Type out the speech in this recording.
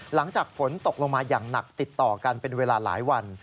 หลังจากฝนตกลงมาอย่างหนักติดต่อกันเป็นเวลาหลายวัน